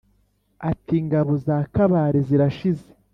ati: ingabo za kabare zirashize.